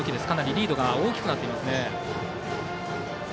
リードが大きくなっています。